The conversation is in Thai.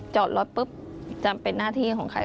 จอดรถปุ๊บจำเป็นหน้าที่ของใคร